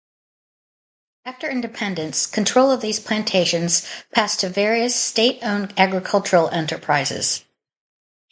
After independence, control of these plantations passed to various state-owned agricultural enterprises.